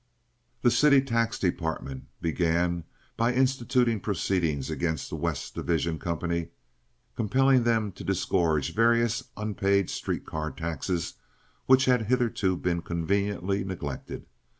The city tax department began by instituting proceedings against the West Division company, compelling them to disgorge various unpaid street car taxes which had hitherto been conveniently neglected.